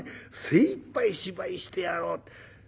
『精いっぱい芝居してやろう』。